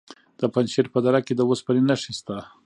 د پنجشیر په دره کې د اوسپنې نښې شته.